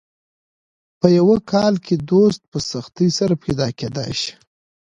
په یو کال کې یو دوست په سختۍ سره پیدا کېدای شي.